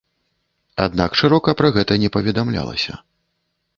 Аднак шырока пра гэта не паведамлялася.